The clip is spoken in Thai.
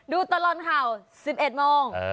ดูตลอดข่าว๑๑โมง